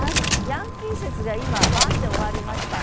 ヤンキー説が今バンって終わりました。